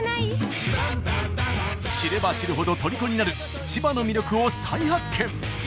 知れば知るほどとりこになる千葉の魅力を再発見！